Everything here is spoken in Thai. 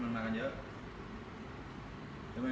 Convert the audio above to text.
มันมากันเยอะ